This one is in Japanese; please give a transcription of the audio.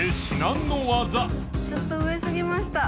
ちょっと上すぎました。